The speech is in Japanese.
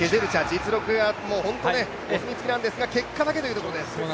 実力はお墨付きなんですが結果だけというところです。